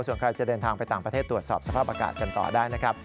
ส่วนใครจะเดินทางไปต่างประเทศตรวจสอบสภาพอากาศกันต่อได้นะครับ